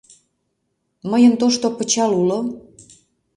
— Мыйын тошто пычал уло.